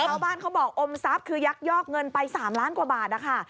เขาบอกอมทรัพย์คือยักยอกเงินไป๓ล้านกว่าบาทนะคะ